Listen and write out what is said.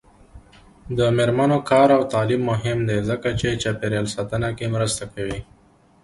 د میرمنو کار او تعلیم مهم دی ځکه چې چاپیریال ساتنه کې مرسته کوي.